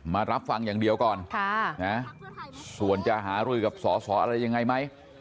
มารับฟังอย่างเดียวก่อนส่วนจะหารือกับสอสออะไรยังไงไหม